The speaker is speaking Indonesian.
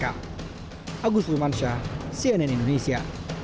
agus rumansyah cnn indonesia